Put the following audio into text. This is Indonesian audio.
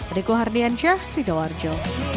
adikuh hardian jersey sidoarjo